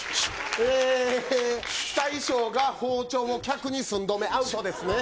えー、大将が包丁を客に寸止め、アウトですね。